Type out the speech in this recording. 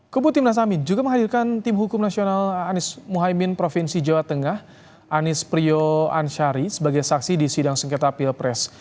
kubu timnas amin juga menghadirkan tim hukum nasional anies mohaimin provinsi jawa tengah anies priyo ansyari sebagai saksi di sidang sengketa pilpres